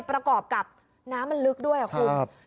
ประกอบกับน้ำมันลึกด้วยคุณ